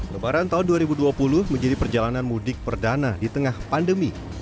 lebaran tahun dua ribu dua puluh menjadi perjalanan mudik perdana di tengah pandemi